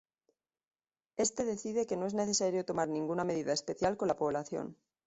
Este decide que no es necesario tomar ninguna medida especial con la población.